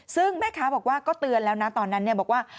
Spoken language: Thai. ซึ่งแม่ค้าบอกว่าก็เตือนแล้วนะตอนนั้นบอกว่า